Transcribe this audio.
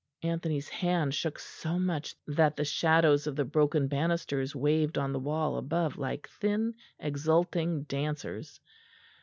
Anthony's hand shook so much that the shadows of the broken banisters waved on the wall above like thin exulting dancers.